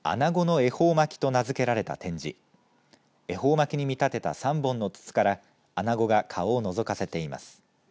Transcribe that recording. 恵方巻きに見立てた３本の筒からアナゴが顔をのぞかせています。